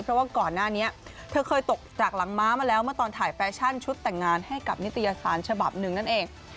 เพราะว่าก่อนหน้านี้เธอเคยตกจากหลังม้ามาแล้วเมื่อตอนถ่ายแฟชั่นชุดแต่งงานให้กับนิตยสารฉบับหนึ่งนั่นเอง